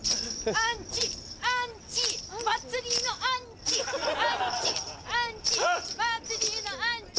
アンチアンチ祭りのアンチアンチアンチ祭りのアンチ